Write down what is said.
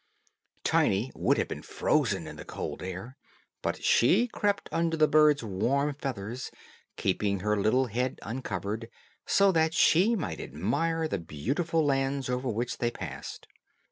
Tiny would have been frozen in the cold air, but she crept under the bird's warm feathers, keeping her little head uncovered, so that she might admire the beautiful lands over which they passed.